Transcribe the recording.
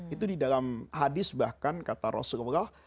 itu di dalam hadis bahkan kata rasulullah